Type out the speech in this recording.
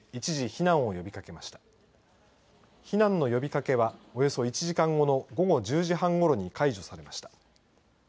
避難の呼びかけはおよそ１時間後の午後１０時半ごろに解除されました。